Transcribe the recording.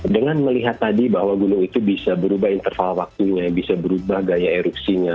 dengan melihat tadi bahwa gunung itu bisa berubah interval waktunya bisa berubah gaya erupsinya